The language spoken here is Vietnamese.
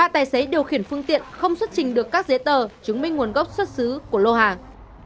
ba tài xế điều khiển phương tiện không xuất trình được các giấy tờ chứng minh nguồn gốc xuất xứ của lô hàng